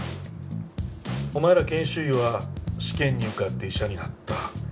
お前ら研修医は試験に受かって医者になった。